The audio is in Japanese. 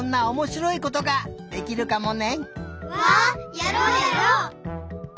やろうやろう！